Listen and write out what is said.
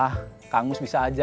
ah kang umus bisa aja